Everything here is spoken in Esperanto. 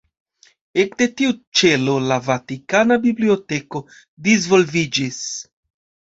Ekde tiu ĉelo la Vatikana Biblioteko disvolviĝis.